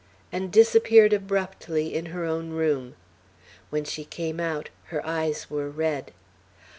and disappeared abruptly in her own room. When she came out, her eyes were red.